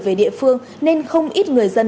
về địa phương nên không ít người dân